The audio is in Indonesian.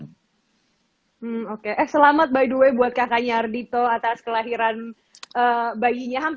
hmm oke eh selamat by the way buat kakaknya ardhito atas kelahiran bayinya hampir